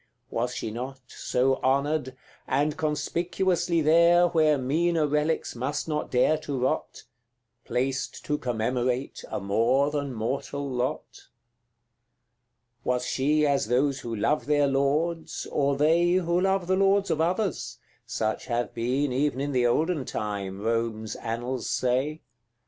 Was she not So honoured and conspicuously there, Where meaner relics must not dare to rot, Placed to commemorate a more than mortal lot? CI. Was she as those who love their lords, or they Who love the lords of others? such have been Even in the olden time, Rome's annals say.